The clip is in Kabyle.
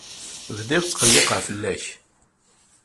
Bdiɣ ttqelliqeɣ fell-ak.